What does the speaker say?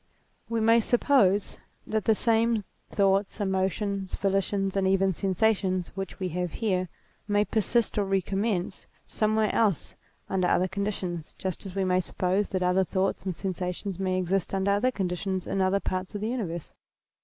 We may suppose that the same thoughts, emotions, volitions and even sensations which we have here, may persist or recommence somewhere else under other conditions, just as we may suppose that other thoughts and sensations may exist under other conditions in other parts of the universe.